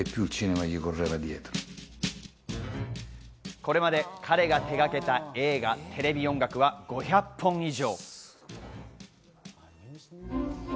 これまで彼が手がけた映画・テレビ音楽は５００本以上。